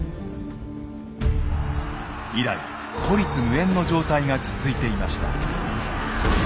以来孤立無援の状態が続いていました。